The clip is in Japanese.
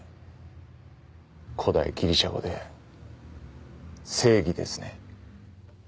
古代ギリシャ語で「正義」ですね。